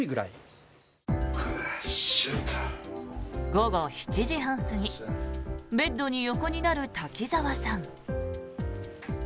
午後７時半過ぎベッドに横になる瀧澤さん。